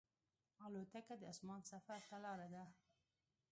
الوتکه د اسمان سفر ته لاره ده.